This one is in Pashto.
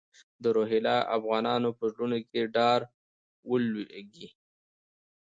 د روهیله افغانانو په زړونو کې ډار ولوېږي.